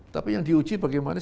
tapi yang diuji bagaimana